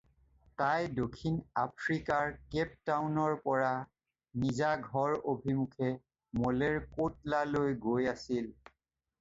তাই দক্ষিণ আফ্ৰিকাৰ কেপ টাউনৰ পৰা নিজা ঘৰ অভিমুখে 'মলেৰ ক'টলালৈ' গৈ আছিল।